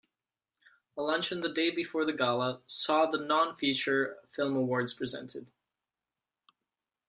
A luncheon the day before the gala saw the non-feature film awards presented.